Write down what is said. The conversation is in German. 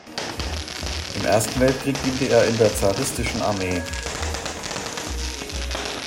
Im Ersten Weltkrieg diente er in der zaristischen Armee.